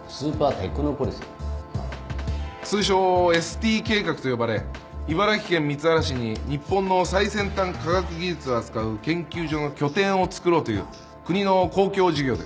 通称ＳＴ計画と呼ばれ茨城県光原市に日本の最先端科学技術を扱う研究所の拠点をつくろうという国の公共事業です。